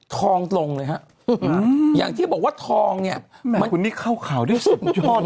ทองตรงเลยหรอครับ